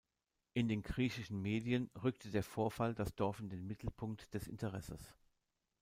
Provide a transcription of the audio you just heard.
In den griechischen Medien rückte der Vorfall das Dorf in den Mittelpunkt des Interesses.